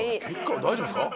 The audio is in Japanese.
血管大丈夫ですか？